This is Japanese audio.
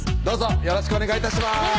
どうぞよろしくお願い致します